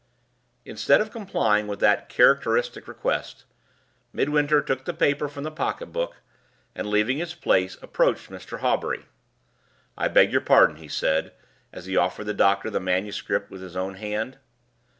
Instead of complying with that characteristic request, Midwinter took the paper from the pocket book, and, leaving his place, approached Mr. Hawbury. "I beg your pardon," he said, as he offered the doctor the manuscript with his own hand.